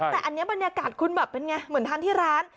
แต่อันนี้บรรยากาศคุณแบบเป็นไงเหมือนทานที่ร้าน